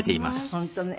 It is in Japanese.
本当ね。